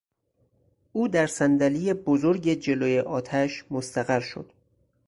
او در صندلی بزرگ جلو آتش مستقر شد.